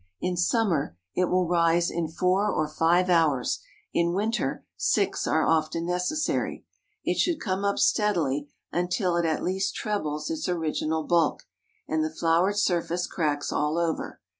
In summer, it will rise in four or five hours—in winter, six are often necessary. It should come up steadily until it at least trebles its original bulk and the floured surface cracks all over.